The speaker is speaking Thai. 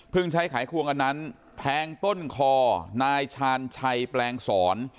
เพิ่งใช้ไขควงอันนั้นแพงต้นคอนายชาญชัยแปลงศร